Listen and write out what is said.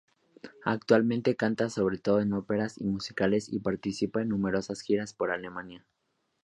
Actualmente canta sobre todo operetas y musicales y participa en numerosas giras por Alemania.